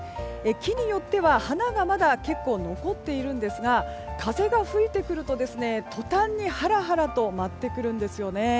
木によっては花がまだ結構残っているんですが風が吹いてくると途端にはらはらと舞ってくるんですよね。